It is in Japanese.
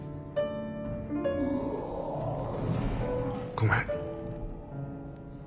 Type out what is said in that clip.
ごめん。